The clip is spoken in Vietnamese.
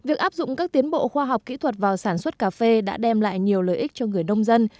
việc áp dụng các tiến bộ khoa học kỹ thuật vào sản xuất cà phê đã đem lại nhiều lợi ích cho người nông dân